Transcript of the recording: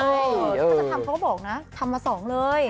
ถ้าจะทำเขาก็บอกนะทำมา๒เลย